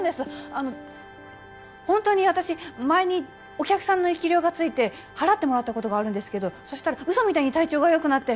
あのほんとに私前にお客さんの生霊が憑いて祓ってもらったことがあるんですけどそしたらうそみたいに体調がよくなって。